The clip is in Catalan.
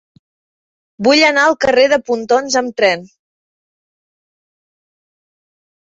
Vull anar al carrer de Pontons amb tren.